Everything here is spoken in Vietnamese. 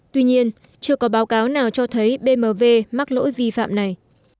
tuy nhiên chưa có báo cáo nào cho thấy bmw lỗi vi phạm này